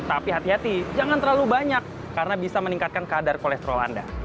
tapi hati hati jangan terlalu banyak karena bisa meningkatkan kadar kolesterol anda